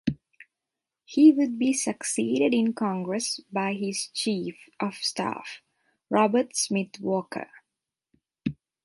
He would be succeeded in Congress by his chief of staff, Robert Smith Walker.